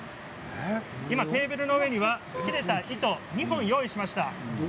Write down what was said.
今テーブルの上には切れた糸を２本用意しました。